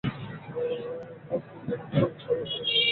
বরঞ্চ নিজের মাথা ভাঙা ভালো, কারও কাছে জবাবদিহি করতে হয় না।